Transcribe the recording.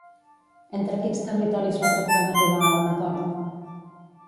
Entre quins territoris va tractar d'arribar a un acord?